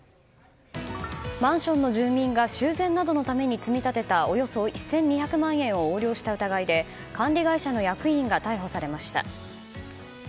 マンションの住民が修繕などに積み立てたおよそ１２００万円を横領した疑いで管理会社の役員が逮捕されました。